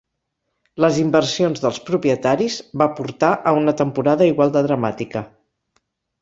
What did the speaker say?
Les inversions dels propietaris va portar a una temporada igual de dramàtica.